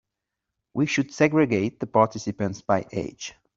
We should segregate the participants by age.